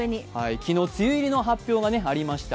昨日梅雨入りの発表がありました。